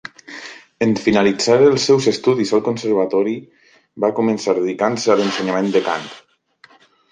En finalitzar els seus estudis al conservatori, va començar dedicant-se a l'ensenyament de cant.